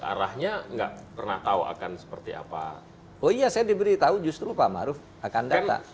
ada pak ma'ruf datang terus arahnya enggak pernah tahu akan seperti apa oh iya saya diberitahu justru pak ma'ruf akan datang